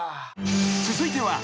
［続いては。